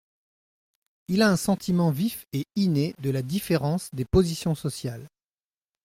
Il a un sentiment vif et inné de la différence des positions sociales.